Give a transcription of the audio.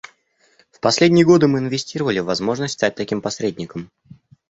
В последние годы мы инвестировали в возможность стать таким посредником.